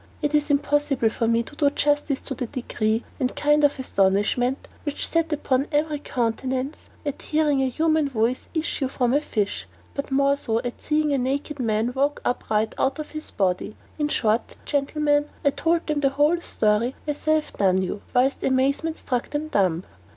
It is impossible for me to do justice to the degree and kind of astonishment which sat upon every countenance at hearing a human voice issue from a fish, but more so at seeing a naked man walk upright out of his body; in short, gentlemen, I told them the whole story, as I have done you, whilst amazement struck them dumb.